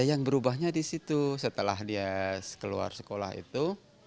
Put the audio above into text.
yang berubahnya di situ setelah dia keluar sekolah itu